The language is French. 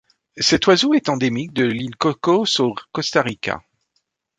Cet oiseau est endémique de l'île Cocos au Costa Rica.